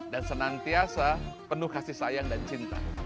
dan senantiasa penuh kasih sayang dan cinta